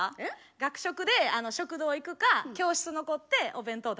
学食で食堂行くか教室残ってお弁当食べるか。